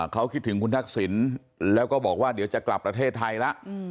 เขาคิดถึงคุณทักษิณแล้วก็บอกว่าเดี๋ยวจะกลับประเทศไทยแล้ว